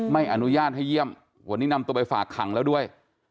ไม่อนุญาตให้เยี่ยมวันนี้นำตัวไปฝากขังแล้วด้วย